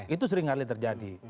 itu seringkali terjadi